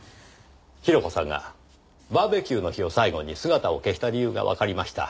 広子さんがバーベキューの日を最後に姿を消した理由がわかりました。